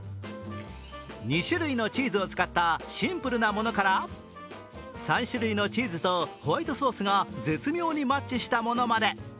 ２種類のチーズを使ったシンプルなものから３種類のチーズとホワイトソースが絶妙にマッチしたものまで。